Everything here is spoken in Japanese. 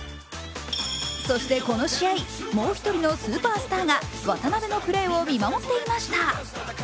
そしてこの試合、もう１人のスーパースターが渡邊のプレーを見守っていました。